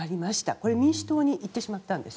これ、民主党に行ってしまったんです。